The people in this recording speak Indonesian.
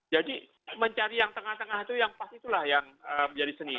jadi mencari yang tengah tengah itu yang pas itulah yang menjadi seni